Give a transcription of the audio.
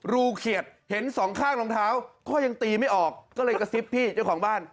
เขียดเห็นสองข้างรองเท้าก็ยังตีไม่ออกก็เลยกระซิบพี่เจ้าของบ้าน